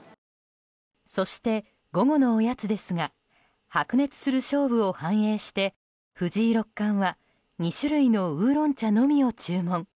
そして、午後のおやつですが白熱する勝負を反映して藤井六冠は２種類の烏龍茶のみを注文。